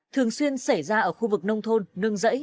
thường xuyên xảy ra ở khu vực nông thôn